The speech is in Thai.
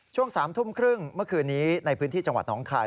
ช่วง๓ทุ่มครึ่งเมื่อคืนนี้ในพื้นที่จังหวัดน้องคาย